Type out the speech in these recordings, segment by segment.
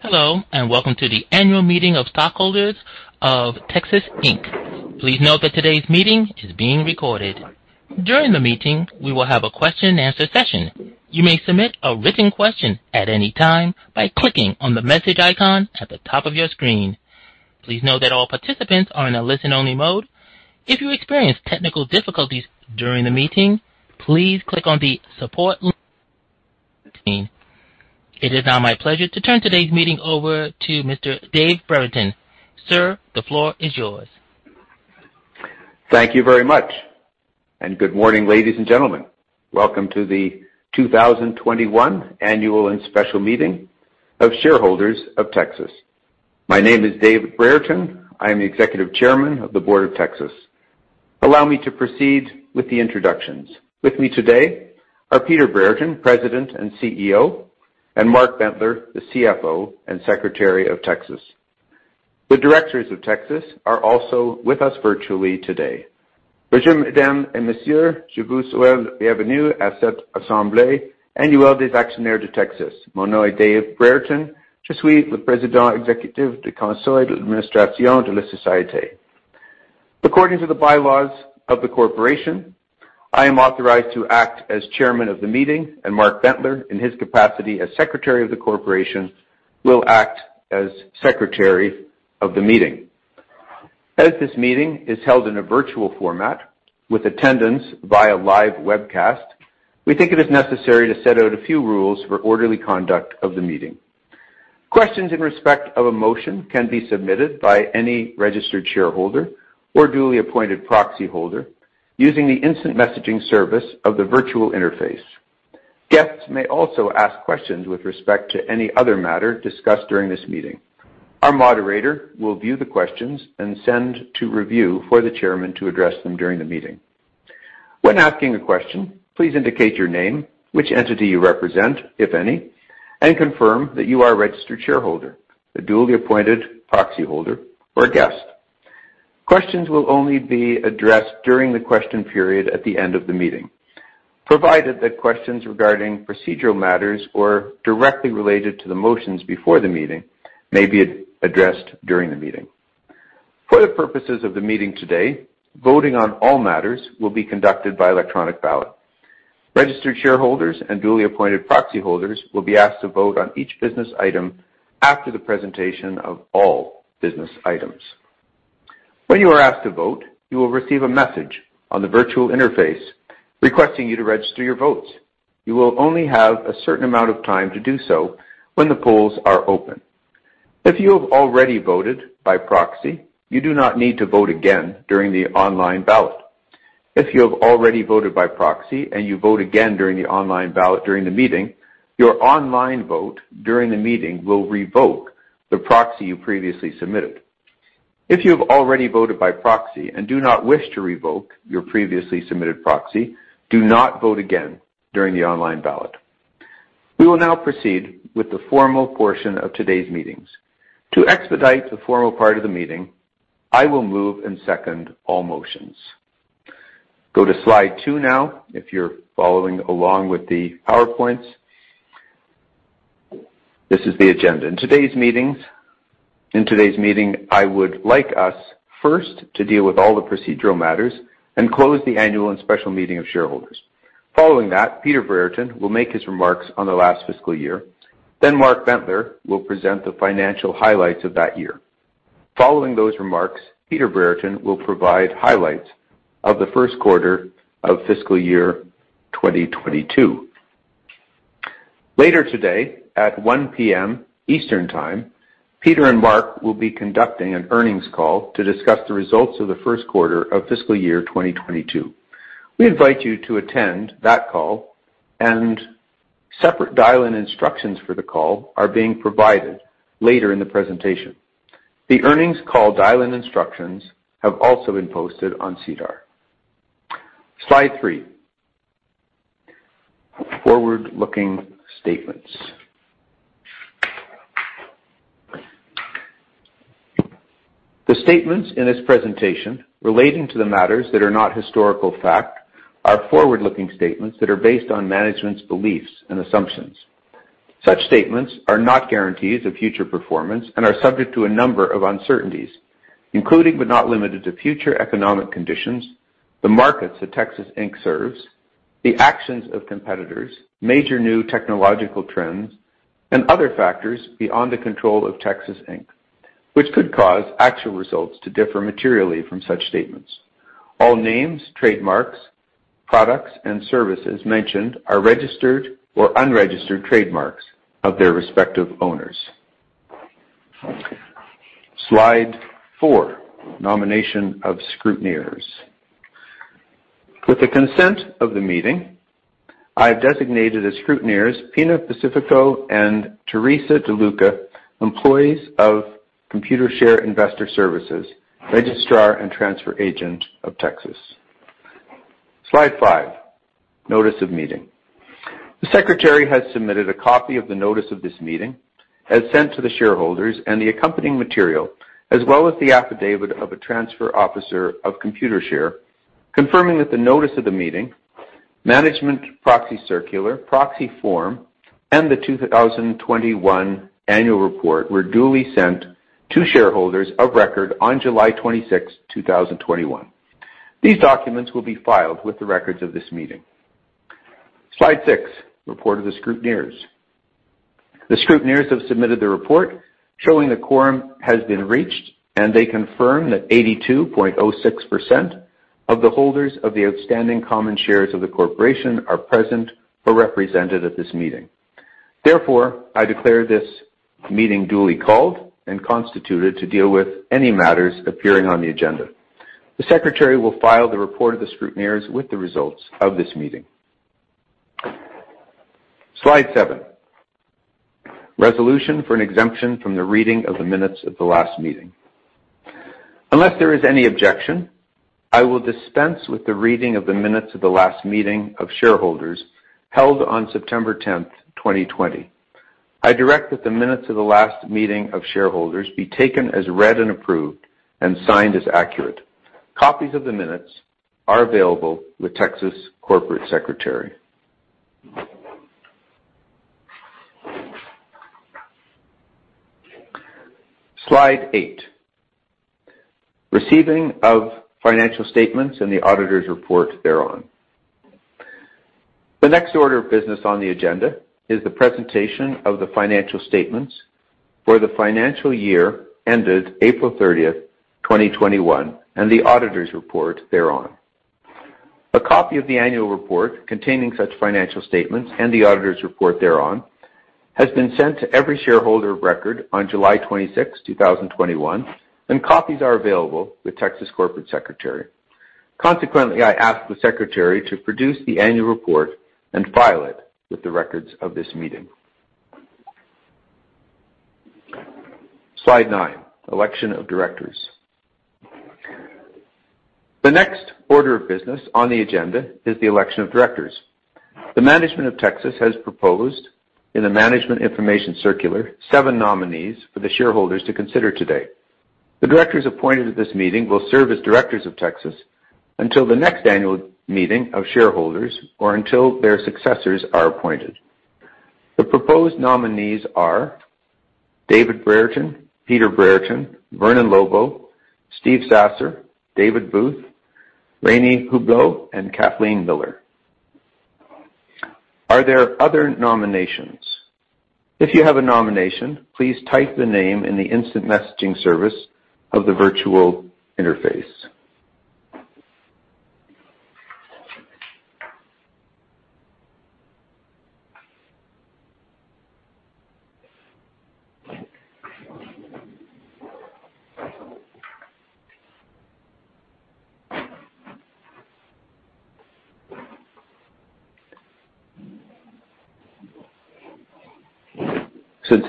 Hello, and welcome to the annual meeting of stockholders of Tecsys Inc. Please note that today's meeting is being recorded. During the meeting, we will have a question and answer session. You may submit a written question at any time by clicking on the message icon at the top of your screen. Please note that all participants are in a listen-only mode. If you experience technical difficulties during the meeting, please click on the support link on the screen. It is now my pleasure to turn today's meeting over to Mr. Dave Brereton. Sir, the floor is yours. Thank you very much, and good morning, ladies and gentlemen. Welcome to the 2021 annual and special meeting of shareholders of Tecsys. My name is Dave Brereton. I am the Executive Chairman of the Board of Tecsys. Allow me to proceed with the introductions. With me today are Peter Brereton, President and CEO, and Mark Bentler, the CFO and Secretary of Tecsys. The directors of Tecsys are also with us virtually today. According to the bylaws of the corporation, I am authorized to act as Chairman of the Meeting, and Mark Bentler, in his capacity as Secretary of the corporation, will act as Secretary of the Meeting. As this meeting is held in a virtual format with attendance via live webcast, we think it is necessary to set out a few rules for orderly conduct of the meeting. Questions in respect of a motion can be submitted by any registered shareholder or duly appointed proxy holder using the instant messaging service of the virtual interface. Guests may also ask questions with respect to any other matter discussed during this meeting. Our moderator will view the questions and send to review for the Chairman to address them during the meeting. When asking a question, please indicate your name, which entity you represent, if any, and confirm that you are a registered shareholder, a duly appointed proxy holder, or a guest. Questions will only be addressed during the question period at the end of the meeting, provided that questions regarding procedural matters or directly related to the motions before the meeting may be addressed during the meeting. For the purposes of the meeting today, voting on all matters will be conducted by electronic ballot. Registered shareholders and duly appointed proxy holders will be asked to vote on each business item after the presentation of all business items. When you are asked to vote, you will receive a message on the virtual interface requesting you to register your votes. You will only have a certain amount of time to do so when the polls are open. If you have already voted by proxy, you do not need to vote again during the online ballot. If you have already voted by proxy and you vote again during the online ballot during the meeting, your online vote during the meeting will revoke the proxy you previously submitted. If you have already voted by proxy and do not wish to revoke your previously submitted proxy, do not vote again during the online ballot. We will now proceed with the formal portion of today's meetings. To expedite the formal part of the meeting, I will move and second all motions. Go to slide two now, if you're following along with the PowerPoints. This is the agenda. In today's meeting, I would like us first to deal with all the procedural matters and close the annual and special meeting of shareholders. Following that, Peter Brereton will make his remarks on the last fiscal year. Then Mark Bentler will present the financial highlights of that year. Following those remarks, Peter Brereton will provide highlights of the first quarter of fiscal year 2022. Later today at 1:00 P.M. Eastern Time, Peter and Mark will be conducting an earnings call to discuss the results of the first quarter of fiscal year 2022. We invite you to attend that call, and separate dial-in instructions for the call are being provided later in the presentation. The earnings call dial-in instructions have also been posted on SEDAR. Slide three. Forward-looking statements. The statements in this presentation relating to the matters that are not historical fact are forward-looking statements that are based on management's beliefs and assumptions. Such statements are not guarantees of future performance and are subject to a number of uncertainties, including but not limited to future economic conditions, the markets that Tecsys Inc. serves, the actions of competitors, major new technological trends, and other factors beyond the control of Tecsys Inc., which could cause actual results to differ materially from such statements. All names, trademarks, products, and services mentioned are registered or unregistered trademarks of their respective owners. Slide four, nomination of scrutineers. With the consent of the meeting, I have designated as scrutineers Pina Pacifico and Theresa De Luca, employees of Computershare Investor Services, registrar and transfer agent of Tecsys Inc. Slide five, notice of meeting. The secretary has submitted a copy of the notice of this meeting as sent to the shareholders and the accompanying material as well as the affidavit of a transfer officer of Computershare, confirming that the notice of the meeting, Management proxy circular, proxy form, and the 2021 annual report were duly sent to shareholders of record on July 26th, 2021. These documents will be filed with the records of this meeting. Slide six, report of the scrutineers. The scrutineers have submitted the report showing the quorum has been reached, and they confirm that 82.06% of the holders of the outstanding common shares of the corporation are present or represented at this meeting. Therefore, I declare this meeting duly called and constituted to deal with any matters appearing on the agenda. The secretary will file the report of the scrutineers with the results of this meeting. Slide seven, resolution for an exemption from the reading of the minutes at the last meeting. Unless there is any objection, I will dispense with the reading of the minutes of the last meeting of shareholders held on September 10th, 2020. I direct that the minutes of the last meeting of shareholders be taken as read and approved and signed as accurate. Copies of the minutes are available with Tecsys corporate secretary. Slide eight, receiving of financial statements and the auditors' report thereon. The next order of business on the agenda is the presentation of the financial statements for the financial year ended April 30th, 2021, and the auditors' report thereon. A copy of the annual report containing such financial statements and the auditors' report thereon has been sent to every shareholder of record on July 26th, 2021, and copies are available with Tecsys corporate secretary. Consequently, I ask the secretary to produce the annual report and file it with the records of this meeting. Slide nine, election of directors. The next order of business on the agenda is the election of directors. The management of Tecsys has proposed in the management information circular seven nominees for the shareholders to consider today. The directors appointed at this meeting will serve as directors of Tecsys until the next annual meeting of shareholders or until their successors are appointed. The proposed nominees are David Brereton, Peter Brereton, Vernon Lobo, Steve Sasser, David Booth, Rani Hublou and Kathleen Miller. Are there other nominations? If you have a nomination, please type the name in the instant messaging service of the virtual interface.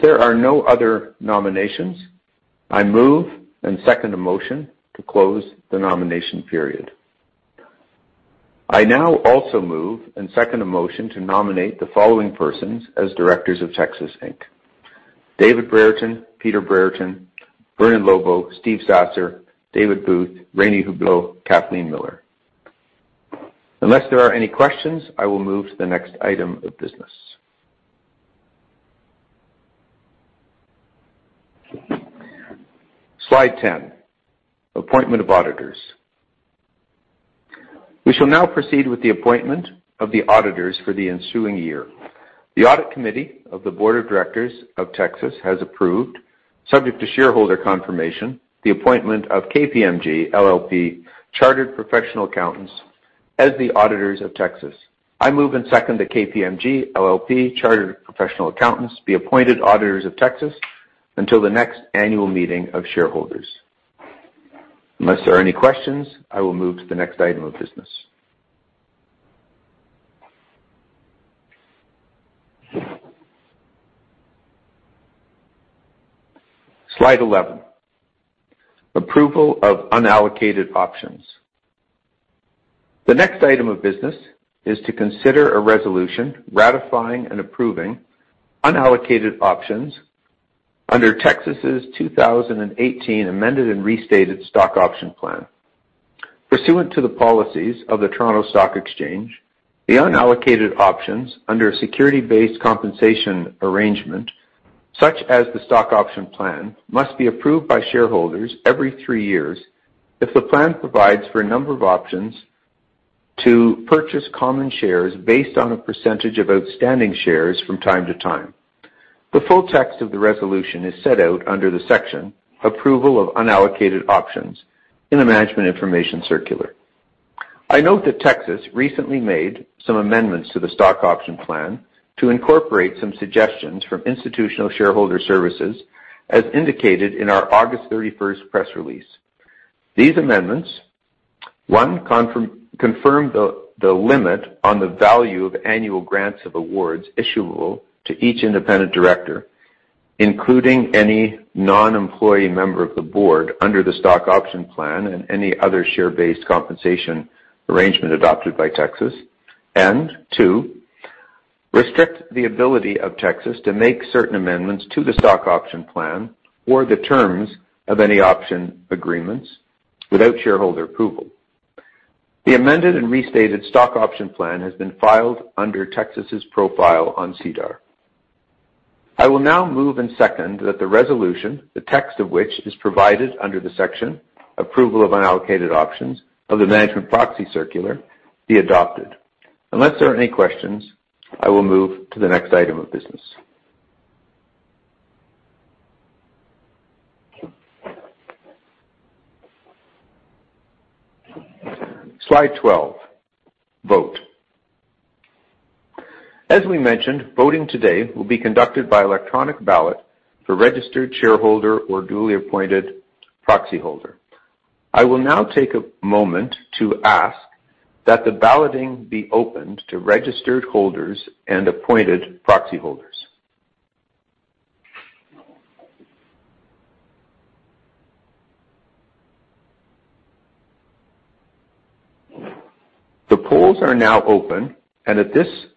Since there are no other nominations, I move and second a motion to close the nomination period. I now also move and second a motion to nominate the following persons as directors of Tecsys Inc., David Brereton, Peter Brereton, Vernon Lobo, Steve Sasser, David Booth, Rani Hublou, Kathleen Miller. Unless there are any questions, I will move to the next item of business. Slide 10, appointment of auditors. We shall now proceed with the appointment of the auditors for the ensuing year. The audit committee of the board of directors of Tecsys has approved, subject to shareholder confirmation, the appointment of KPMG LLP Chartered Professional Accountants as the auditors of Tecsys. I move and second that KPMG LLP Chartered Professional Accountants be appointed auditors of Tecsys until the next annual meeting of shareholders. Unless there are any questions, I will move to the next item of business. Slide 11, approval of unallocated options. The next item of business is to consider a resolution ratifying and approving unallocated options under Tecsys' 2018 amended and restated stock option plan. Pursuant to the policies of the Toronto Stock Exchange, the unallocated options under a security-based compensation arrangement, such as the stock option plan, must be approved by shareholders every three years if the plan provides for a number of options to purchase common shares based on a percentage of outstanding shares from time to time. The full text of the resolution is set out under the section approval of unallocated options in the management information circular. I note that Tecsys recently made some amendments to the stock option plan to incorporate some suggestions from institutional shareholder services as indicated in our August 31st press release. These amendments, one, confirmed the limit on the value of annual grants of awards issuable to each independent director, including any non-employee member of the board under the stock option plan and any other share-based compensation arrangement adopted by Tecsys. Two, restrict the ability of Tecsys to make certain amendments to the stock option plan or the terms of any option agreements without shareholder approval. The amended and restated stock option plan has been filed under Tecsys' profile on SEDAR. I will now move and second that the resolution, the text of which is provided under the section Approval of Unallocated Options of the management proxy circular, be adopted. Unless there are any questions, I will move to the next item of business. Slide 12. Vote. As we mentioned, voting today will be conducted by electronic ballot for registered shareholder or duly appointed proxy holder. I will now take a moment to ask that the balloting be opened to registered holders and appointed proxy holders. The polls are now open, and at this point,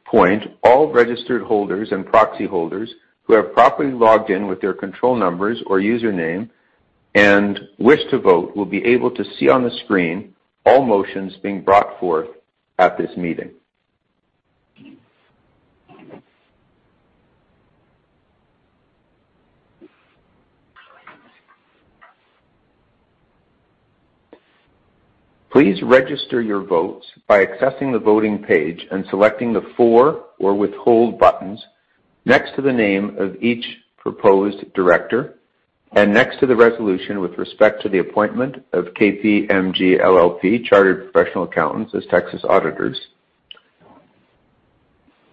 all registered holders and proxy holders who have properly logged in with their control numbers or username and wish to vote will be able to see on the screen all motions being brought forth at this meeting. Please register your votes by accessing the voting page and selecting the For or Withhold buttons next to the name of each proposed director and next to the resolution with respect to the appointment of KPMG LLP Chartered Professional Accountants as Tecsys auditors.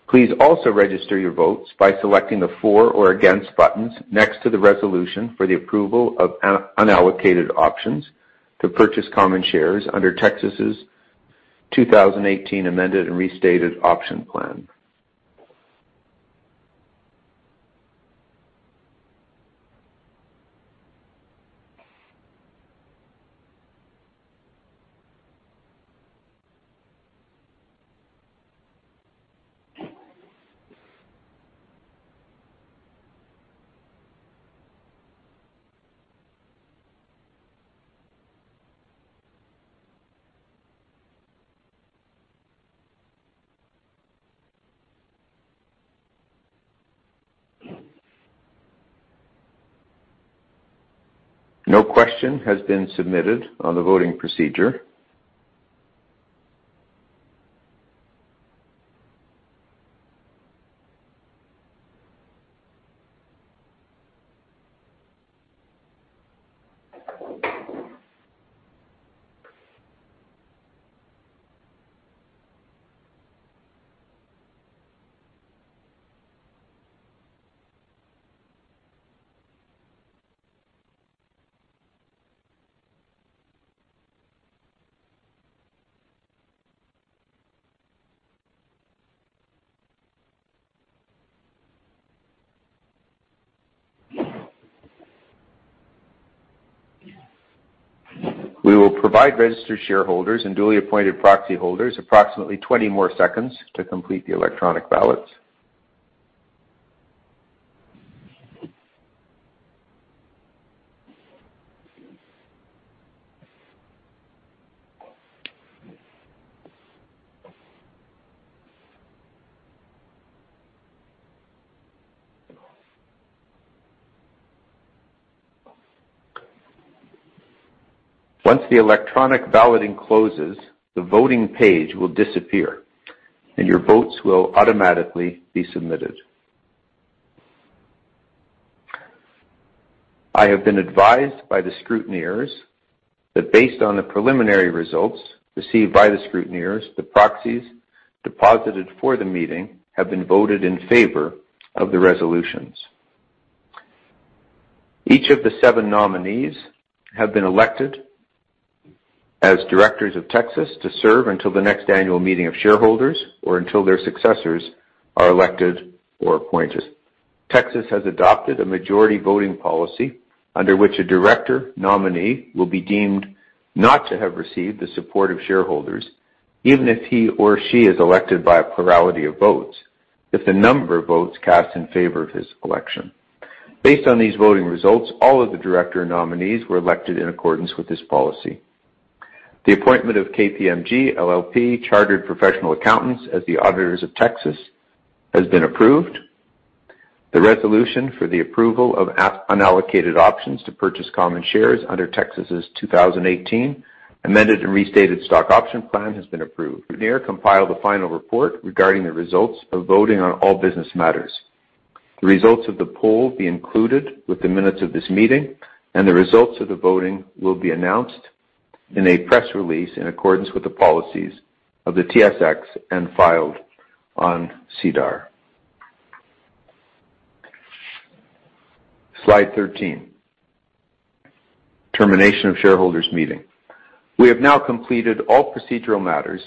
Please also register your votes by selecting the For or Against buttons next to the resolution for the approval of unallocated options to purchase common shares under Tecsys' 2018 amended and restated option plan. No question has been submitted on the voting procedure. We will provide registered shareholders and duly appointed proxy holders approximately 20 more seconds to complete the electronic ballots. Once the electronic balloting closes, the voting page will disappear, and your votes will automatically be submitted. I have been advised by the scrutineers that based on the preliminary results received by the scrutineers, the proxies deposited for the meeting have been voted in favor of the resolutions. Each of the seven nominees have been elected as directors of Tecsys to serve until the next annual meeting of shareholders or until their successors are elected or appointed. Tecsys has adopted a majority voting policy under which a director nominee will be deemed not to have received the support of shareholders, even if he or she is elected by a plurality of votes, if the number of votes cast in favor of his election. Based on these voting results, all of the director nominees were elected in accordance with this policy. The appointment of KPMG LLP, Chartered Professional Accountants, as the auditors of Tecsys has been approved. The resolution for the approval of unallocated options to purchase common shares under Tecsys' 2018 amended and restated stock option plan has been approved. The scrutineer compiled a final report regarding the results of voting on all business matters. The results of the poll will be included with the minutes of this meeting, and the results of the voting will be announced in a press release in accordance with the policies of the TSX and filed on SEDAR. Slide 13. Termination of shareholders meeting. We have now completed all procedural matters,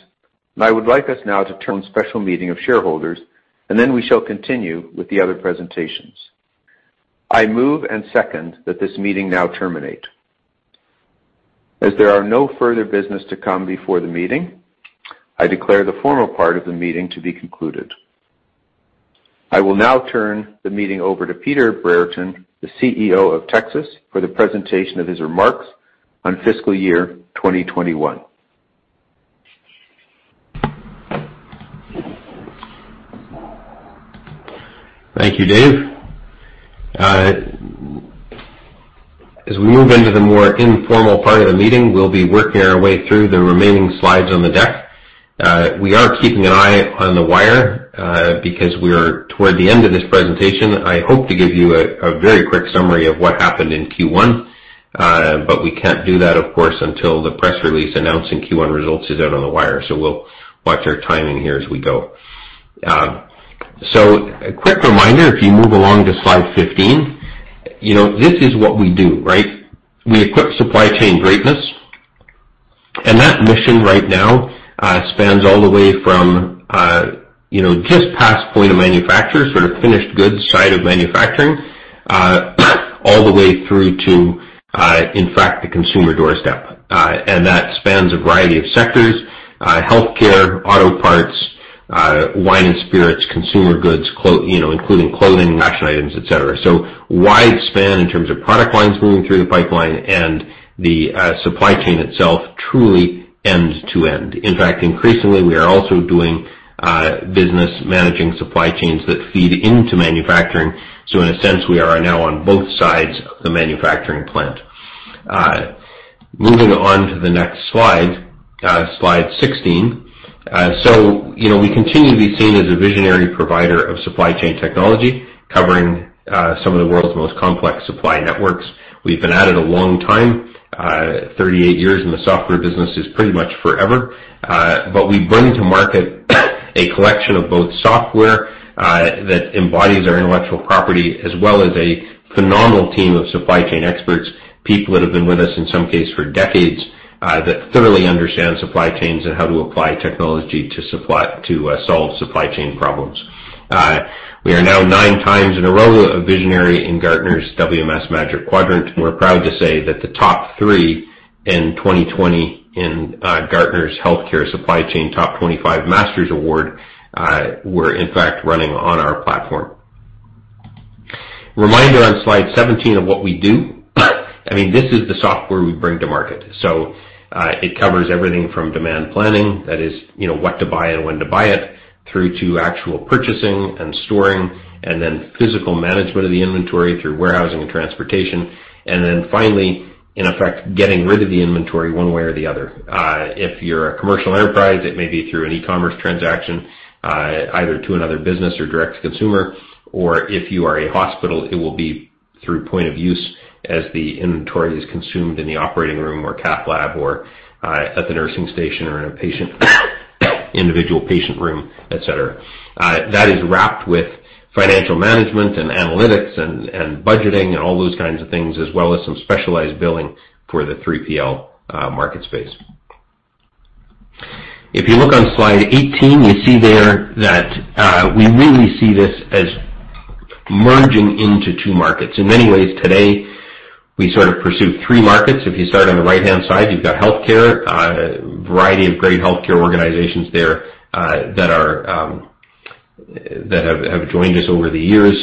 and I would like us now to turn to the special meeting of shareholders, and then we shall continue with the other presentations. I move and second that this meeting now terminate. As there are no further business to come before the meeting, I declare the formal part of the meeting to be concluded. I will now turn the meeting over to Peter Brereton, the CEO of Tecsys, for the presentation of his remarks on fiscal year 2021. Thank you, Dave. As we move into the more informal part of the meeting, we'll be working our way through the remaining slides on the deck. We are keeping an eye on the wire, because we're toward the end of this presentation. I hope to give you a very quick summary of what happened in Q1. We can't do that, of course, until the press release announcing Q1 results is out on the wire. We'll watch our timing here as we go. A quick reminder, if you move along to slide 15. This is what we do, right? We equip supply chain greatness. That mission right now spans all the way from just past point of manufacture, sort of finished goods side of manufacturing, all the way through to, in fact, the consumer doorstep. That spans a variety of sectors, healthcare, auto parts, wine and spirits, consumer goods, including clothing, fashion items, et cetera. Wide span in terms of product lines moving through the pipeline and the supply chain itself, truly end-to-end. In fact, increasingly, we are also doing business managing supply chains that feed into manufacturing. In a sense, we are now on both sides of the manufacturing plant. Moving on to the next slide 16. We continue to be seen as a visionary provider of supply chain technology, covering some of the world's most complex supply networks. We've been at it a long time. 38 years in the software business is pretty much forever. We bring to market a collection of both software that embodies our intellectual property, as well as a phenomenal team of supply chain experts, people that have been with us, in some case, for decades, that thoroughly understand supply chains and how to apply technology to solve supply chain problems. We are now nine times in a row, a visionary in Gartner's WMS Magic Quadrant. We're proud to say that the top three in 2020 in Gartner's Healthcare Supply Chain Top 25 Masters Award, were in fact running on our platform. Reminder on slide 17 of what we do. This is the software we bring to market. It covers everything from demand planning, that is, what to buy and when to buy it, through to actual purchasing and storing, and then physical management of the inventory through warehousing and transportation. Finally, in effect, getting rid of the inventory one way or the other. If you're a commercial enterprise, it may be through an e-commerce transaction, either to another business or direct to consumer. If you are a hospital, it will be through point of use as the inventory is consumed in the operating room or cath lab, or at the nursing station or in a individual patient room, et cetera. That is wrapped with financial management and analytics and budgeting and all those kinds of things, as well as some specialized billing for the 3PL market space. If you look on slide 18, you see there that we really see this as merging into two markets. In many ways, today, we sort of pursue three markets. If you start on the right-hand side, you've got healthcare, a variety of great healthcare organizations there that have joined us over the years.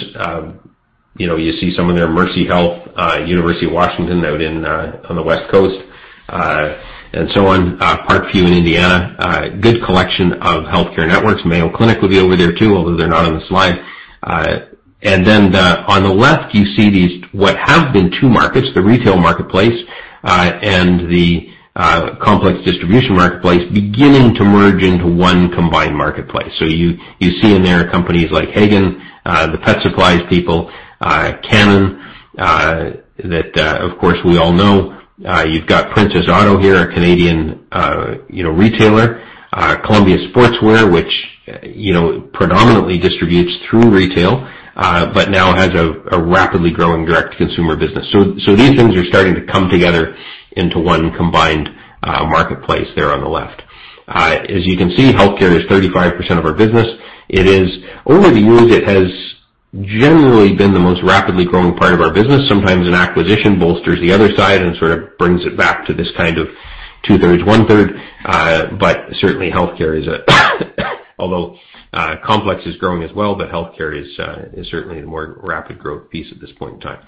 You see some of them, Mercy Health, University of Washington out on the West Coast, and so on. Parkview in Indiana. A good collection of healthcare networks. Mayo Clinic would be over there, too, although they're not on the slide. Then on the left, you see these, what have been two markets, the retail marketplace, and the complex distribution marketplace beginning to merge into one combined marketplace. You see in there companies like Hagen, the pet supplies people, Canon, that, of course, we all know. You've got Princess Auto here, a Canadian retailer. Columbia Sportswear, which predominantly distributes through retail, but now has a rapidly growing direct-to-consumer business. These things are starting to come together into one combined marketplace there on the left. As you can see, healthcare is 35% of our business. Over the years, it has generally been the most rapidly growing part of our business. Sometimes an acquisition bolsters the other side and sort of brings it back to this kind of 2/3, 1/3. Certainly, although complex is growing as well, but healthcare is certainly the more rapid growth piece at this point in time.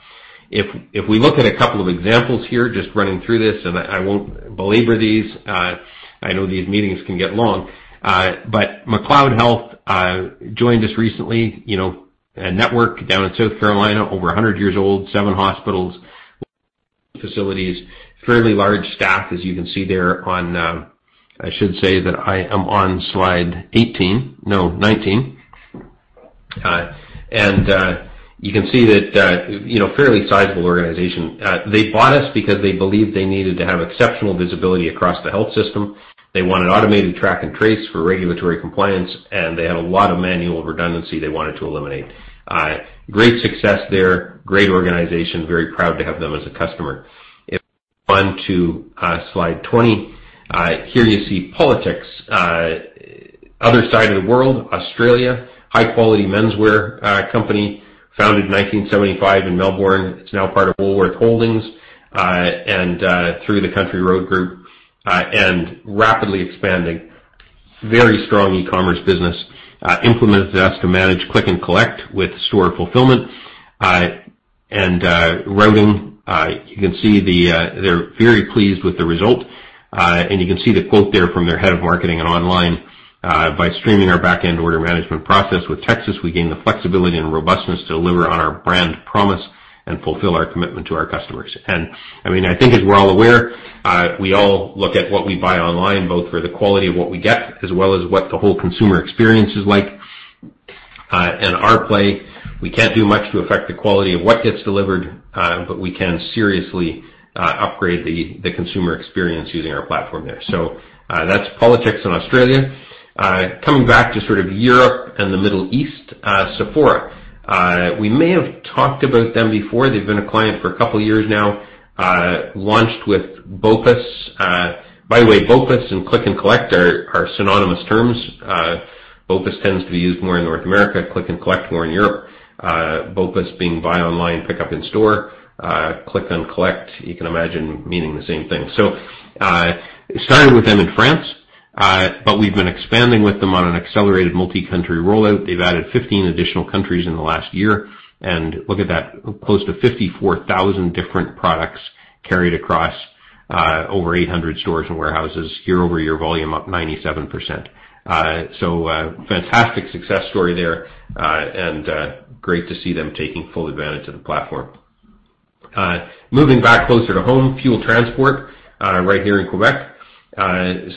If we look at a couple of examples here, just running through this, and I won't belabor these. I know these meetings can get long. McLeod Health joined us recently. A network down in South Carolina, over 100 years old, seven hospitals, facilities. Fairly large staff, as you can see there on. I should say that I am on slide 19. You can see that, fairly sizable organization. They bought us because they believed they needed to have exceptional visibility across the health system. They want an automated track and trace for regulatory compliance, and they had a lot of manual redundancy they wanted to eliminate. Great success there. Great organization. Very proud to have them as a customer. If we move on to slide 20. Here you see Politix. Other side of the world, Australia. High quality menswear company, founded in 1975 in Melbourne. It's now part of Woolworths Holdings, and through the Country Road Group, and rapidly expanding. Very strong e-commerce business. Implemented the click and collect with store fulfillment and routing. You can see they're very pleased with the result. You can see the quote there from their head of marketing and online, "By streaming our back end order management process with Tecsys, we gain the flexibility and robustness to deliver on our brand promise and fulfill our commitment to our customers." I think, as we're all aware, we all look at what we buy online, both for the quality of what we get, as well as what the whole consumer experience is like. In our play, we can't do much to affect the quality of what gets delivered, but we can seriously upgrade the consumer experience using our platform there. That's Politix in Australia. Coming back to Europe and the Middle East, Sephora. We may have talked about them before. They've been a client for a couple years now, launched with BOPIS. By the way, BOPIS and click and collect are synonymous terms. BOPIS tends to be used more in North America, click and collect more in Europe. BOPIS being buy online, pickup in store. Click and collect, you can imagine meaning the same thing. Started with them in France, but we've been expanding with them on an accelerated multi-country rollout. They've added 15 additional countries in the last year. Look at that, close to 54,000 different products carried across over 800 stores and warehouses. Year-over-year volume up 97%. Fantastic success story there, and great to see them taking full advantage of the platform. Moving back closer to home, Fuel Transport, right here in Quebec.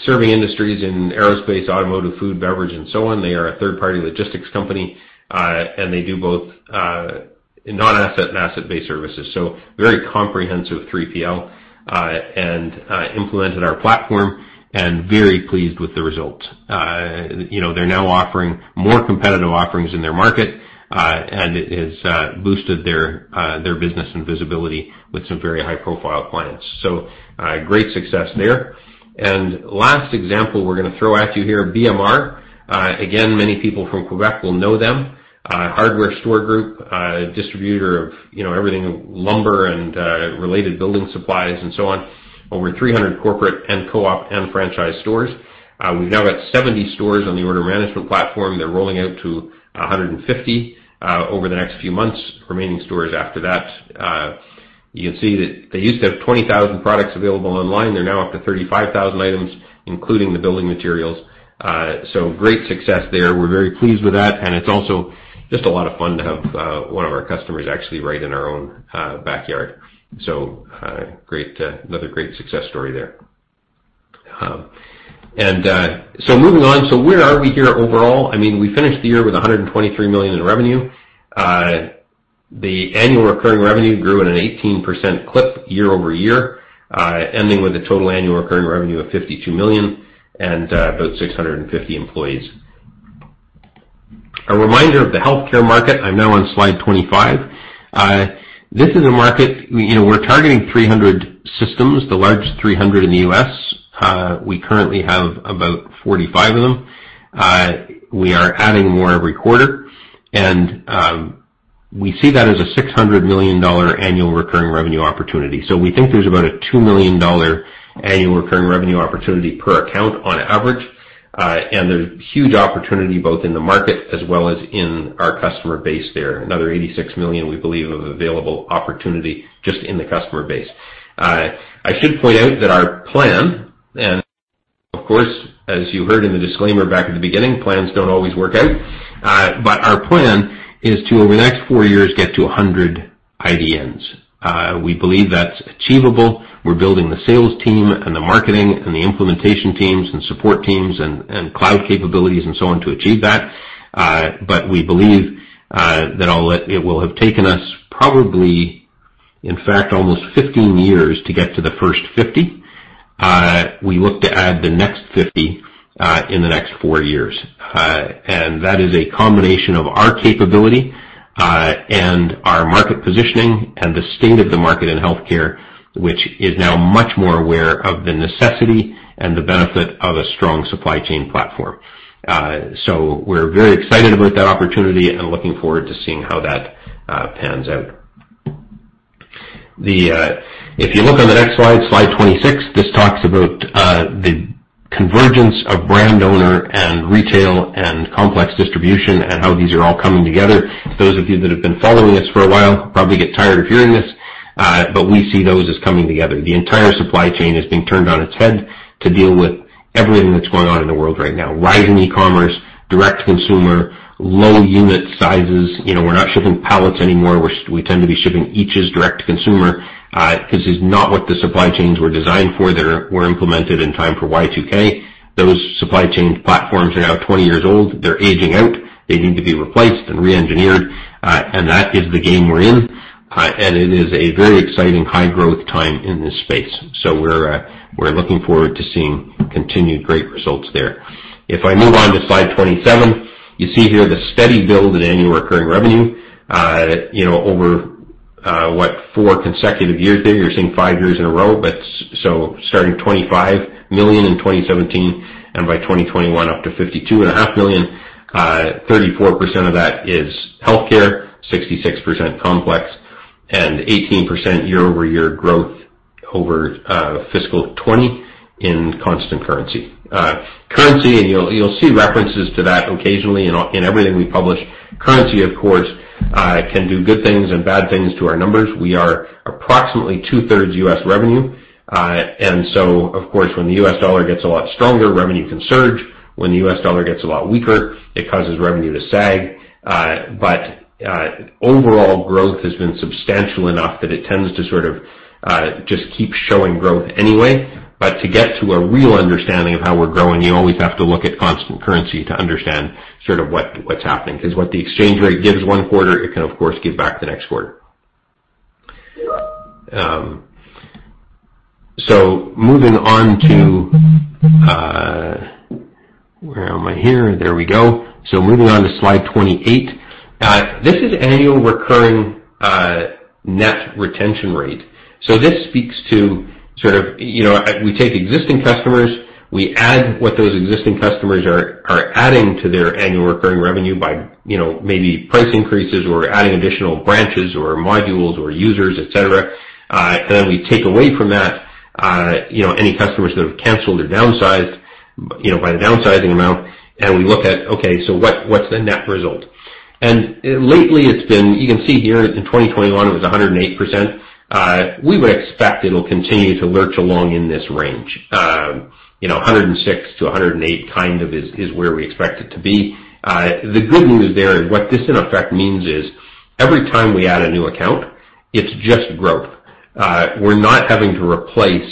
Serving industries in aerospace, automotive, food, beverage, and so on. They are a third-party logistics company, and they do both non-asset and asset-based services. Very comprehensive 3PL, and implemented our platform, and very pleased with the result. They're now offering more competitive offerings in their market, and it has boosted their business and visibility with some very high-profile clients. Great success there. Last example we're going to throw at you here, BMR. Again, many people from Quebec will know them, a hardware store group, distributor of everything, lumber and related building supplies and so on, over 300 corporate and co-op and franchise stores. We've now got 70 stores on the order management platform. They're rolling out to 150 over the next few months, remaining stores after that. You can see that they used to have 20,000 products available online. They're now up to 35,000 items, including the building materials. Great success there. We're very pleased with that, and it's also just a lot of fun to have one of our customers actually right in our own backyard. Another great success story there. Moving on. Where are we here overall? We finished the year with 123 million in revenue. The annual recurring revenue grew at an 18% clip year-over-year, ending with a total annual recurring revenue of 52 million, and about 650 employees. A reminder of the healthcare market. I'm now on slide 25. This is a market. We're targeting 300 systems, the largest 300 in the U.S. We currently have about 45 of them. We are adding more every quarter. We see that as a 600 million dollar annual recurring revenue opportunity. We think there's about a 2 million dollar annual recurring revenue opportunity per account on average. There's huge opportunity both in the market as well as in our customer base there. Another 86 million, we believe, of available opportunity just in the customer base. I should point out that our plan, and of course, as you heard in the disclaimer back at the beginning, plans don't always work out. Our plan is to, over the next four years, get to 100 IDNs. We believe that's achievable. We're building the sales team and the marketing and the implementation teams and support teams and cloud capabilities and so on to achieve that. We believe that it will have taken us probably, in fact, almost 15 years to get to the first 50. We look to add the next 50 in the next four years. That is a combination of our capability and our market positioning and the state of the market in healthcare, which is now much more aware of the necessity and the benefit of a strong supply chain platform. We're very excited about that opportunity and looking forward to seeing how that pans out. If you look on the next slide 26, this talks about the convergence of brand owner and retail and complex distribution and how these are all coming together. Those of you that have been following us for a while probably get tired of hearing this, but we see those as coming together. The entire supply chain is being turned on its head to deal with everything that's going on in the world right now, rising e-commerce, direct to consumer, low unit sizes. We're not shipping pallets anymore. We tend to be shipping eaches as direct to consumer, because it's not what the supply chains were designed for, that were implemented in time for Y2K. Those supply chain platforms are now 20 years old. They're aging out. They need to be replaced and re-engineered. That is the game we're in. It is a very exciting high growth time in this space. We're looking forward to seeing continued great results there. If I move on to slide 27, you see here the steady build in annual recurring revenue. Over what, four consecutive years there? You're seeing five years in a row. Starting 25 million in 2017, and by 2021 up to 52.5 million. 34% of that is healthcare, 66% complex, and 18% year-over-year growth over fiscal 2020 in constant currency, and you'll see references to that occasionally in everything we publish. Currency, of course, can do good things and bad things to our numbers. We are approximately two-thirds U.S. revenue. Of course, when the U.S. dollar gets a lot stronger, revenue can surge. When the U.S. dollar gets a lot weaker, it causes revenue to sag. Overall growth has been substantial enough that it tends to sort of just keep showing growth anyway. To get to a real understanding of how we're growing, you always have to look at constant currency to understand sort of what's happening. Because what the exchange rate gives one quarter, it can of course give back the next quarter. Moving on to slide 28. This is annual recurring net retention rate. This speaks to sort of, we take existing customers, we add what those existing customers are adding to their annual recurring revenue by maybe price increases or adding additional branches or modules or users, et cetera. Then we take away from that any customers that have canceled or downsized, by the downsizing amount. We look at, okay, so what's the net result? Lately it's been, you can see here in 2021, it was 108%. We would expect it'll continue to lurch along in this range. 106%-108% kind of is where we expect it to be. The good news there is what this in effect means is, every time we add a new account, it's just growth. We're not having to replace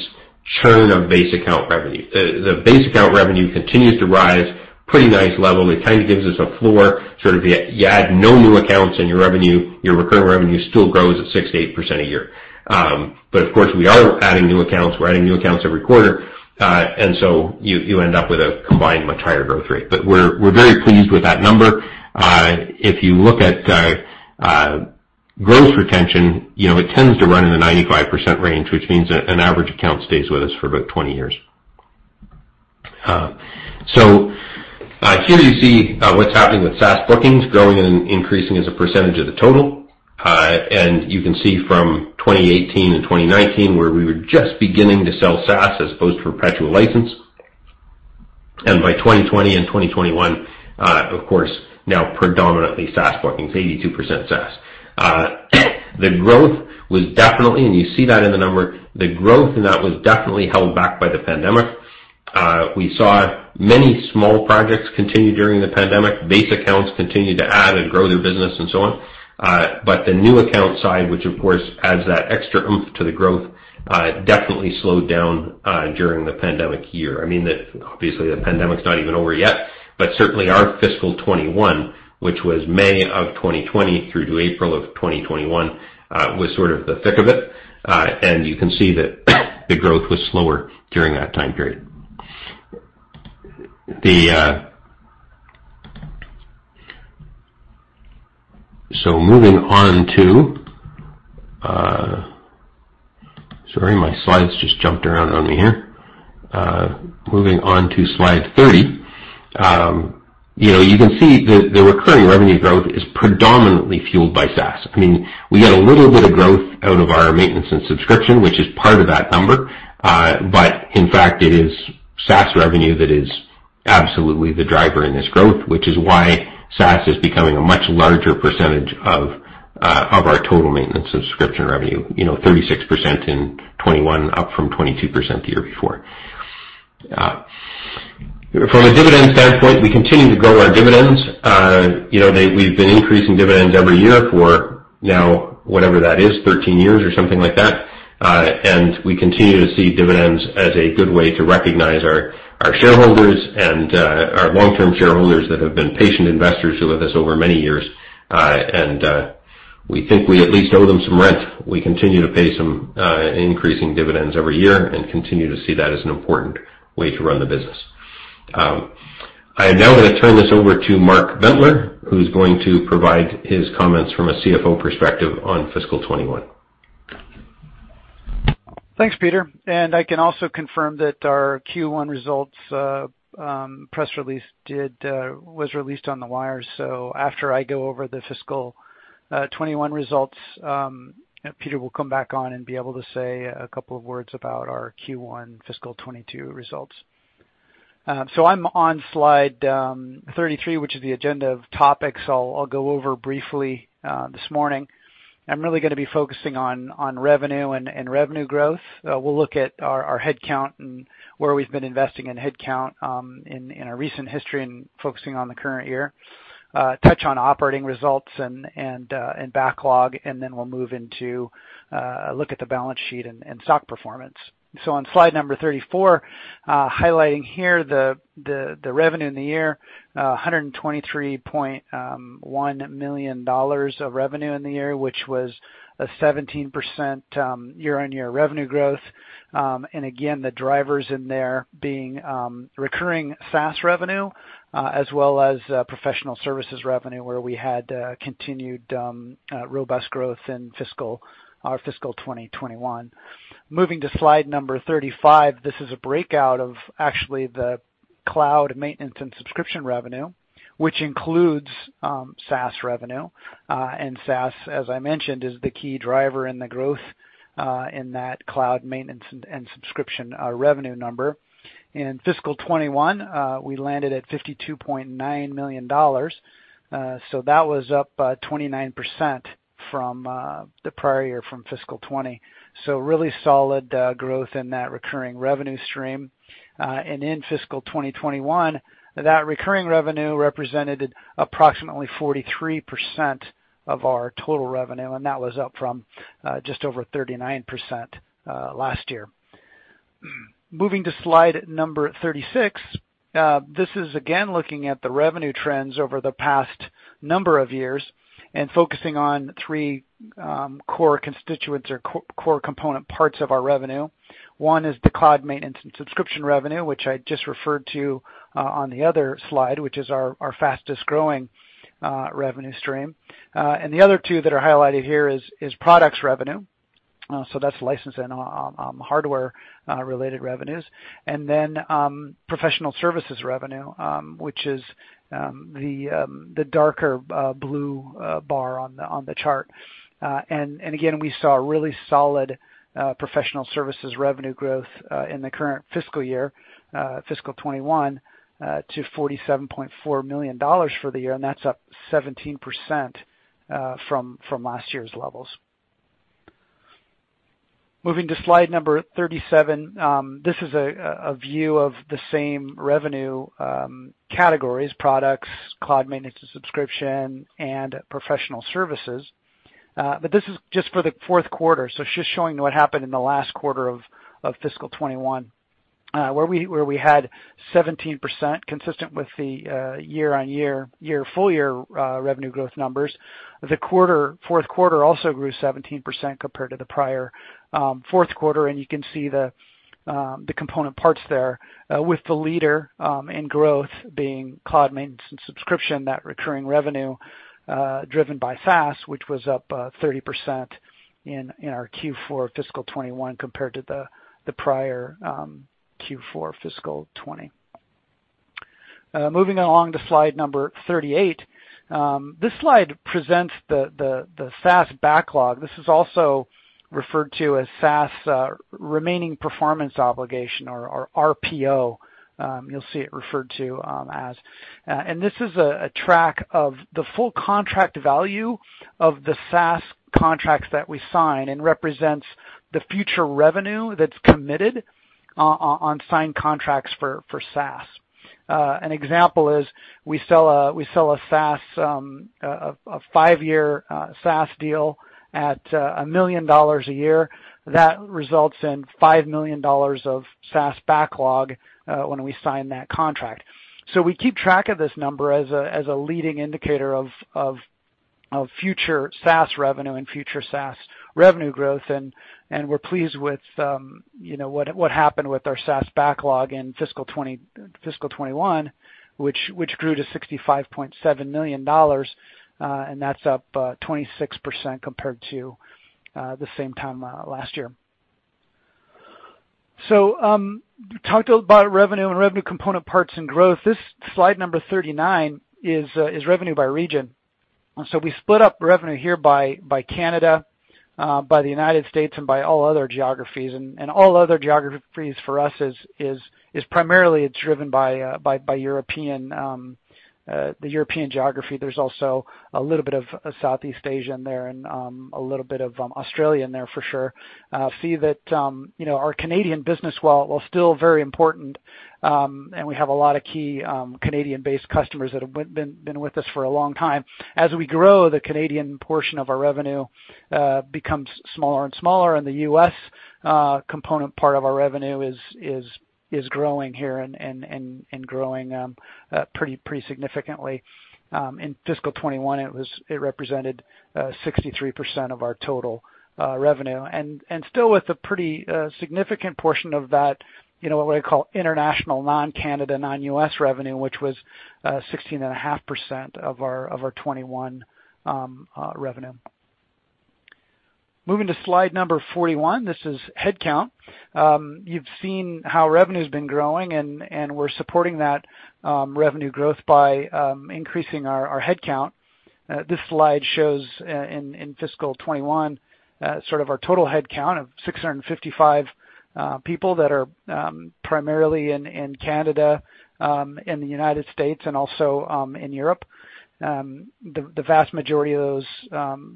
churn of base account revenue. The base account revenue continues to rise, pretty nice level. It kind of gives us a floor, sort of you add no new accounts and your revenue, your recurring revenue still grows at 6%-8% a year. Of course, we are adding new accounts, we're adding new accounts every quarter. You end up with a combined much higher growth rate. We're very pleased with that number. If you look at gross retention, it tends to run in the 95% range, which means an average account stays with us for about 20 years. Here you see what's happening with SaaS bookings growing and increasing as a percentage of the total. You can see from 2018 and 2019, where we were just beginning to sell SaaS as opposed to perpetual license. By 2020 and 2021, of course, now predominantly SaaS bookings, 82% SaaS. The growth was definitely, and you see that in the number, the growth in that was definitely held back by the pandemic. We saw many small projects continue during the pandemic. Base accounts continue to add and grow their business and so on. The new account side, which of course adds that extra oomph to the growth, definitely slowed down during the pandemic year. I mean, obviously the pandemic's not even over yet, but certainly our fiscal 2021, which was May of 2020 through to April of 2021, was sort of the thick of it. You can see that the growth was slower during that time period. Sorry, my slides just jumped around on me here. Moving on to slide 30. You can see that the recurring revenue growth is predominantly fueled by SaaS. I mean, we get a little bit of growth out of our maintenance and subscription, which is part of that number. In fact, it is SaaS revenue that is absolutely the driver in this growth, which is why SaaS is becoming a much larger percentage of our total maintenance and subscription revenue. 36% in 2021, up from 22% the year before. From a dividend standpoint, we continue to grow our dividends. We've been increasing dividends every year for now, whatever that is, 13 years or something like that. We continue to see dividends as a good way to recognize our shareholders and our long-term shareholders that have been patient investors who are with us over many years. We think we at least owe them some rent. We continue to pay some increasing dividends every year and continue to see that as an important way to run the business. I am now going to turn this over to Mark Bentler, who's going to provide his comments from a CFO perspective on fiscal 2021. Thanks, Peter. I can also confirm that our Q1 results press release was released on the wire. After I go over the fiscal 2021 results, Peter will come back on and be able to say a couple of words about our Q1 fiscal 2022 results. I'm on slide 33, which is the agenda of topics I'll go over briefly this morning. I'm really gonna be focusing on revenue and revenue growth. We'll look at our headcount and where we've been investing in headcount in our recent history and focusing on the current year. Touch on operating results and backlog, and then we'll move into a look at the balance sheet and stock performance. On slide number 34. Highlighting here the revenue in the year, 123.1 million dollars of revenue in the year, which was a 17% year-on-year revenue growth. Again, the drivers in there being recurring SaaS revenue, as well as professional services revenue where we had continued robust growth in our fiscal 2021. Moving to slide 35, this is a breakout of actually the cloud maintenance and subscription revenue, which includes SaaS revenue. SaaS, as I mentioned, is the key driver in the growth in that cloud maintenance and subscription revenue number. In fiscal 2021, we landed at 52.9 million dollars. That was up 29% from the prior year, from fiscal 2020. Really solid growth in that recurring revenue stream. In fiscal 2021, that recurring revenue represented approximately 43% of our total revenue, and that was up from just over 39% last year. Moving to slide 36. This is again, looking at the revenue trends over the past number of years and focusing on three core constituents or core component parts of our revenue. One is the cloud maintenance and subscription revenue, which I just referred to on the other slide, which is our fastest-growing revenue stream. The other two that are highlighted here is products revenue. That's license and hardware-related revenues. Professional services revenue, which is the darker blue bar on the chart. We saw really solid professional services revenue growth in the current fiscal year, fiscal 2021, to 47.4 million dollars for the year. That's up 17% from last year's levels. Moving to slide number 37. This is a view of the same revenue categories, products, cloud maintenance and subscription, and professional services. This is just for the fourth quarter, so it's just showing what happened in the last quarter of fiscal 2021, where we had 17% consistent with the year-on-year, full year revenue growth numbers. The fourth quarter also grew 17% compared to the prior fourth quarter. You can see the component parts there with the leader in growth being cloud maintenance and subscription, that recurring revenue driven by SaaS, which was up 30% in our Q4 fiscal 2021 compared to the prior Q4 fiscal 2020. Moving along to slide number 38. This slide presents the SaaS backlog. This is also referred to as SaaS remaining performance obligation or RPO, you'll see it referred to as. This is a track of the full contract value of the SaaS contracts that we sign and represents the future revenue that's committed on signed contracts for SaaS. An example is we sell a five-year SaaS deal at 1 million dollars a year. That results in 5 million dollars of SaaS backlog when we sign that contract. We keep track of this number as a leading indicator of future SaaS revenue and future SaaS revenue growth. We're pleased with what happened with our SaaS backlog in fiscal 2021, which grew to 65.7 million dollars. That's up 26% compared to the same time last year. Talked about revenue and revenue component parts and growth. This slide number 39 is revenue by region. We split up revenue here by Canada, by the United States, and by all other geographies. All other geographies for us is primarily driven by the European geography. There's also a little bit of Southeast Asia in there and a little bit of Australia in there for sure. see that our Canadian business, while still very important, and we have a lot of key Canadian-based customers that have been with us for a long time. As we grow, the Canadian portion of our revenue becomes smaller and smaller, and the U.S. component part of our revenue is growing here and growing pretty significantly. In fiscal 2021, it represented 63% of our total revenue. Still with a pretty significant portion of that, what I call international, non-Canada, non-U.S. revenue, which was 16.5% of our 2021 revenue. Moving to slide 41. This is headcount. You've seen how revenue's been growing, and we're supporting that revenue growth by increasing our headcount. This slide shows in fiscal 2021, sort of our total headcount of 655 people that are primarily in Canada, in the United States, and also in Europe. The vast majority of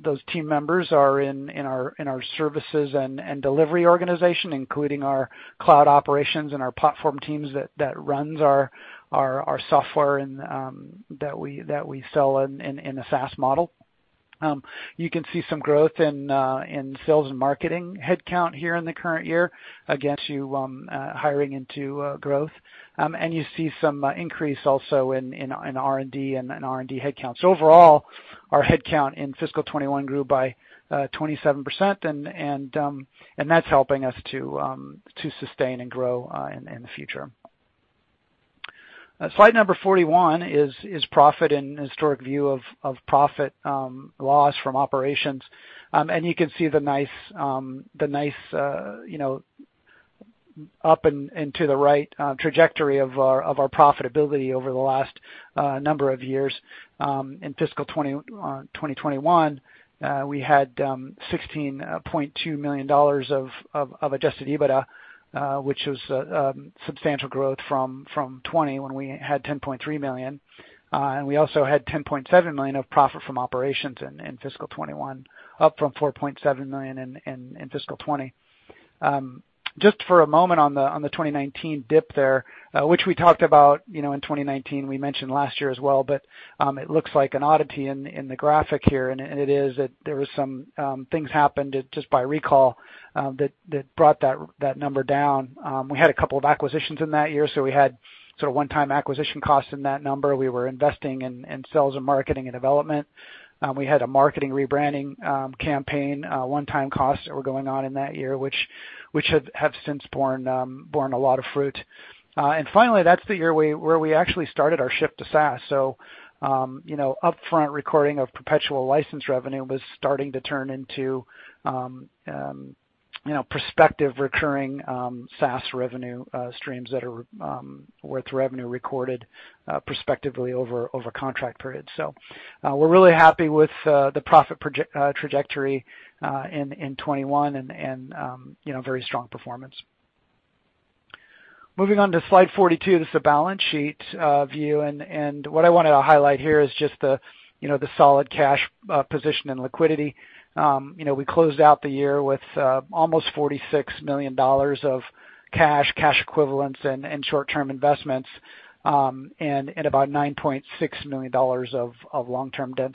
those team members are in our services and delivery organization, including our cloud operations and our platform teams that runs our software and that we sell in a SaaS model. You can see some growth in sales and marketing headcount here in the current year against you hiring into growth. You see some increase also in R&D and R&D headcounts. Overall, our headcount in fiscal 2021 grew by 27%, and that's helping us to sustain and grow in the future. Slide number 41 is profit and historical view of profit and loss from operations. You can see the nice up and to the right trajectory of our profitability over the last number of years. In fiscal 2021, we had 16.2 million dollars of adjusted EBITDA, which was substantial growth from 2020 when we had 10.3 million. We also had 10.7 million of profit from operations in fiscal 2021, up from 4.7 million in fiscal 2020. Just for a moment on the 2019 dip there, which we talked about in 2019, we mentioned last year as well, but it looks like an oddity in the graphic here, and it is. There was some things happened, just by recall, that brought that number down. We had a couple of acquisitions in that year, so we had sort of one-time acquisition costs in that number. We were investing in sales and marketing and development. We had a marketing rebranding campaign, one-time costs that were going on in that year, which have since borne a lot of fruit. Finally, that's the year where we actually started our shift to SaaS. Upfront recording of perpetual license revenue was starting to turn into prospective recurring SaaS revenue streams that are worth revenue recorded prospectively over contract periods. We're really happy with the profit trajectory in 2021 and very strong performance. Moving on to slide 42. This is a balance sheet view, and what I want to highlight here is just the solid cash position and liquidity. We closed out the year with almost 46 million dollars of cash equivalents, and short-term investments, and at about 9.6 million dollars of long-term debt.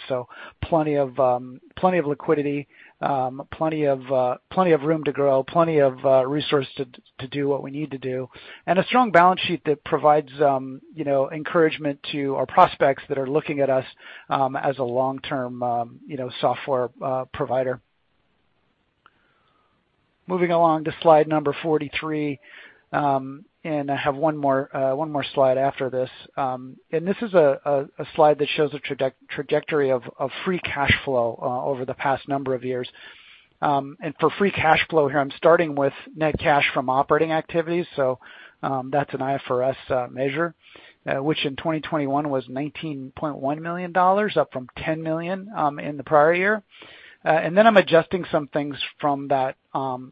Plenty of liquidity, plenty of room to grow, plenty of resources to do what we need to do, and a strong balance sheet that provides encouragement to our prospects that are looking at us as a long-term software provider. Moving along to slide number 43. I have one more slide after this. This is a slide that shows a trajectory of free cash flow over the past number of years. For free cash flow here, I'm starting with net cash from operating activities, so that's an IFRS measure, which in 2021 was 19.1 million dollars, up from 10 million in the prior year. Then I'm adjusting some things from that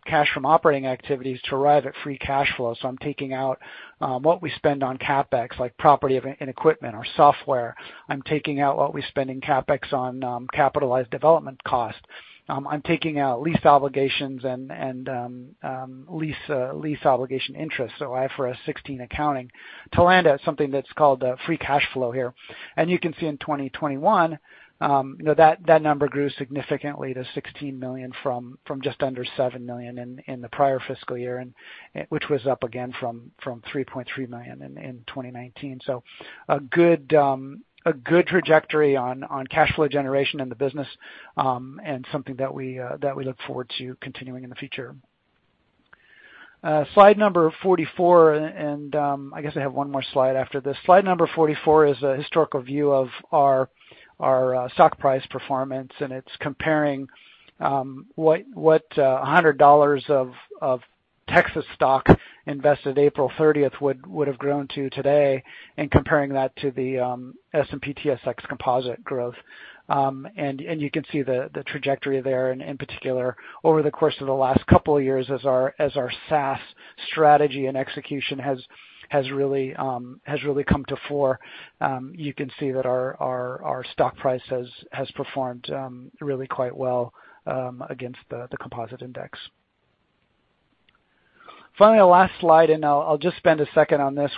cash from operating activities to arrive at free cash flow. I'm taking out what we spend on CapEx, like property and equipment or software. I'm taking out what we spend in CapEx on capitalized development cost. I'm taking out lease obligations and lease obligation interest, so IFRS 16 accounting, to land at something that's called free cash flow here. You can see in 2021, that number grew significantly to 16 million from just under 7 million in the prior fiscal year, which was up again from 3.3 million in 2019. A good trajectory on cash flow generation in the business and something that we look forward to continuing in the future. Slide 44, and I guess I have one more slide after this. Slide 44 is a historical view of our stock price performance, and it's comparing what 100 dollars of Tecsys stock invested April 30th would have grown to today and comparing that to the S&P/TSX Composite Index growth. You can see the trajectory there, and in particular, over the course of the last couple of years, as our SaaS strategy and execution has really come to the fore. You can see that our stock price has performed really quite well against the composite index. Finally, the last slide, and I'll just spend a second on this,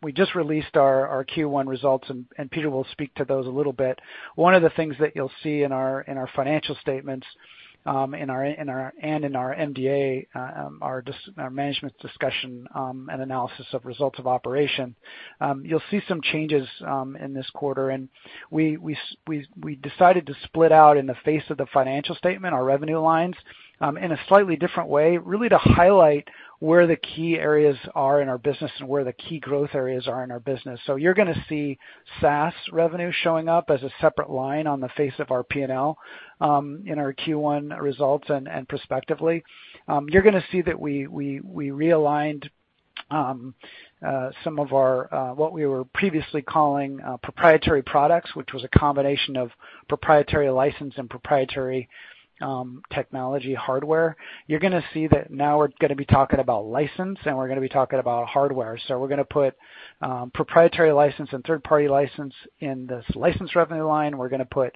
we just released our Q1 results, and Peter will speak to those a little bit. One of the things that you'll see in our financial statements and in our MD&A, our Management's Discussion and Analysis of results of operations, you'll see some changes in this quarter. We decided to split out in the face of the financial statement, our revenue lines, in a slightly different way, really to highlight where the key areas are in our business and where the key growth areas are in our business. You're going to see SaaS revenue showing up as a separate line on the face of our P&L in our Q1 results and prospectively. You're going to see that we realigned some of our, what we were previously calling proprietary products, which was a combination of proprietary license and proprietary technology hardware. You're going to see that now we're going to be talking about license, and we're going to be talking about hardware. We're going to put proprietary license and third-party license in this license revenue line. We're going to put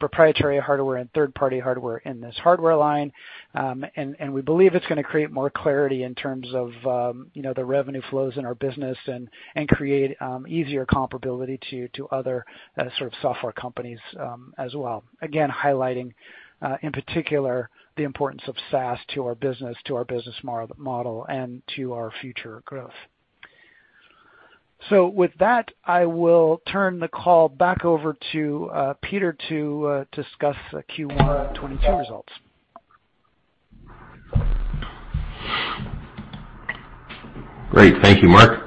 proprietary hardware and third-party hardware in this hardware line. We believe it's going to create more clarity in terms of the revenue flows in our business and create easier comparability to other sort of software companies as well. Again, highlighting, in particular, the importance of SaaS to our business, to our business model, and to our future growth. With that, I will turn the call back over to Peter to discuss the Q1 2022 results. Great. Thank you, Mark.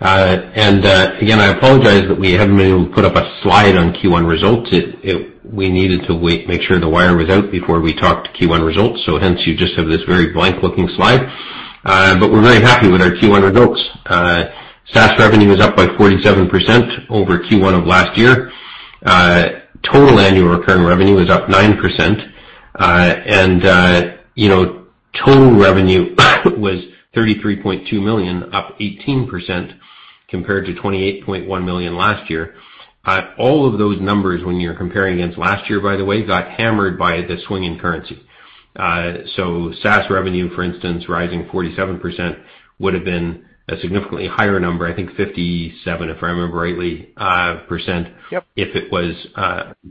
Again, I apologize that we haven't been able to put up a slide on Q1 results. We needed to wait to make sure the wire was out before we talked Q1 results. Hence you just have this very blank-looking slide. We're very happy with our Q1 results. SaaS revenue is up by 47% over Q1 of last year. Total annual recurring revenue is up 9%. Total revenue was 33.2 million, up 18% compared to 28.1 million last year. All of those numbers, when you're comparing against last year, by the way, got hammered by the swing in currency. SaaS revenue, for instance, rising 47%, would've been a significantly higher number, I think 57, if I remember rightly, percent. Yep If it was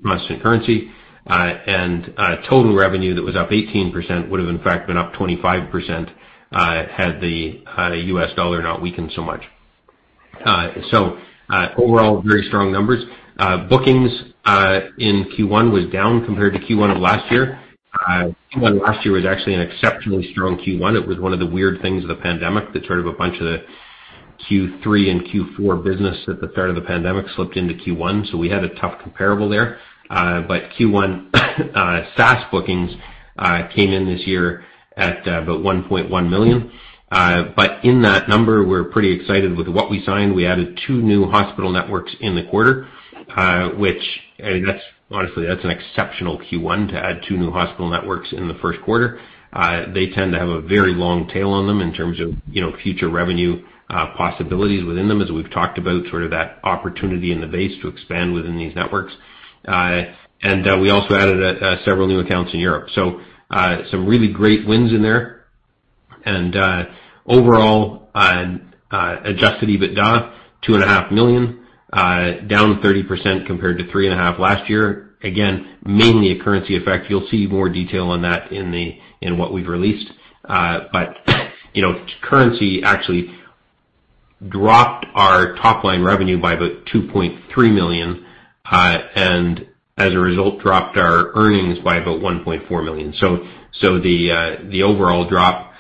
constant currency. Total revenue that was up 18% would have in fact been up 25%, had the US dollar not weakened so much. Overall very strong numbers. Bookings in Q1 was down compared to Q1 of last year. Q1 last year was actually an exceptionally strong Q1. It was one of the weird things of the pandemic that sort of a bunch of the Q3 and Q4 business at the start of the pandemic slipped into Q1, so we had a tough comparable there. Q1 SaaS bookings came in this year at about 1.1 million. In that number, we're pretty excited with what we signed. We added two new hospital networks in the quarter. Which, honestly, that's an exceptional Q1 to add two new hospital networks in the first quarter. They tend to have a very long tail on them in terms of future revenue possibilities within them, as we've talked about, sort of that opportunity in the base to expand within these networks. We also added several new accounts in Europe. Some really great wins in there. Overall, adjusted EBITDA, 2.5 million, down 30% compared to 3.5 million last year. Again, mainly a currency effect. You'll see more detail on that in what we've released. Currency actually dropped our top-line revenue by about 2.3 million. As a result, dropped our earnings by about 1.4 million. The overall drop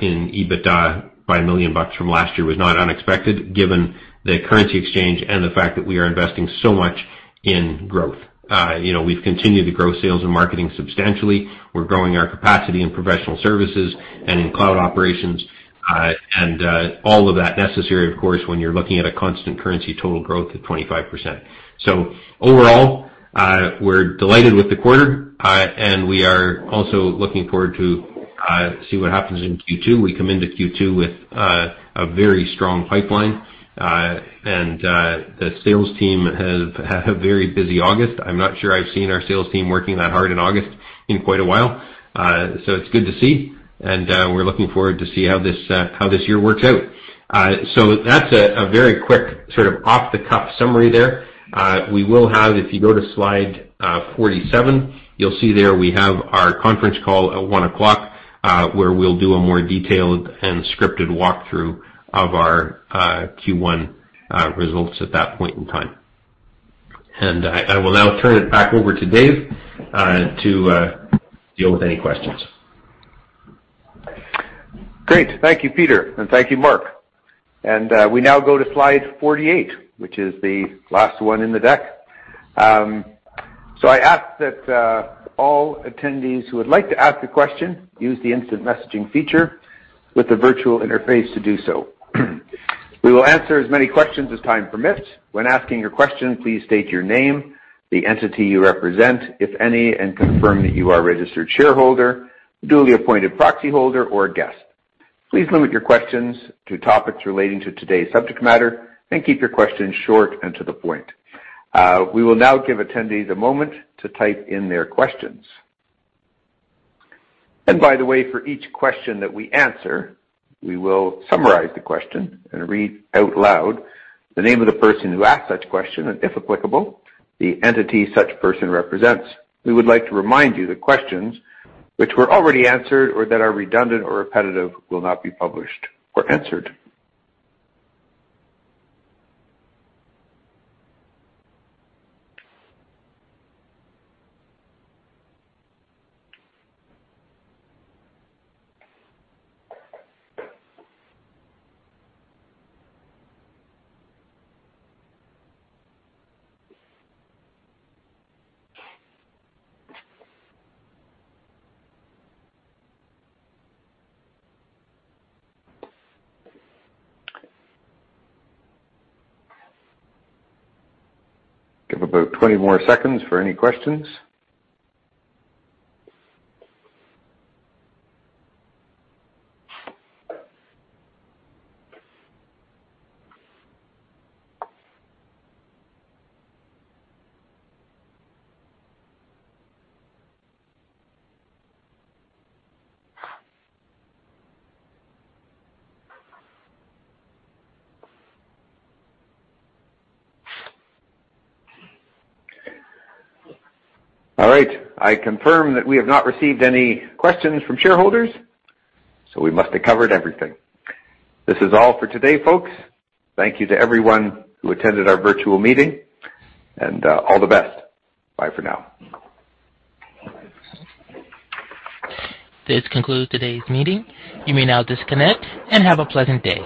in EBITDA by 1 million bucks from last year was not unexpected given the currency exchange and the fact that we are investing so much in growth. We've continued to grow sales and marketing substantially. We're growing our capacity in professional services and in cloud operations. All of that is necessary, of course, when you're looking at a constant currency total growth of 25%. Overall, we're delighted with the quarter. We are also looking forward to see what happens in Q2. We come into Q2 with a very strong pipeline. The sales team has had a very busy August. I'm not sure I've seen our sales team working that hard in August in quite a while. It's good to see, and we're looking forward to see how this year works out. That's a very quick sort of off-the-cuff summary there. We will have, if you go to slide 47, you'll see there we have our conference call at 1:00 P.M., where we'll do a more detailed and scripted walkthrough of our Q1 results at that point in time. I will now turn it back over to Dave, to deal with any questions. Great. Thank you, Peter. Thank you, Mark. We now go to slide 48, which is the last one in the deck. I ask that all attendees who would like to ask a question use the instant messaging feature with the virtual interface to do so. We will answer as many questions as time permits. When asking your question, please state your name, the entity you represent, if any, and confirm that you are a registered shareholder, duly appointed proxy holder, or a guest. Please limit your questions to topics relating to today's subject matter and keep your questions short and to the point. We will now give attendees a moment to type in their questions. By the way, for each question that we answer, we will summarize the question and read out loud the name of the person who asked such question, and if applicable, the entity such person represents. We would like to remind you that questions which were already answered or that are redundant or repetitive will not be published or answered. Give about 20 more seconds for any questions. All right. I confirm that we have not received any questions from shareholders, so we must have covered everything. This is all for today, folks. Thank you to everyone who attended our virtual meeting, and all the best. Bye for now. This concludes today's meeting. You may now disconnect and have a pleasant day.